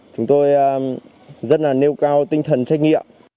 chúng tôi rất là nêu cao tinh thần trách nhiệm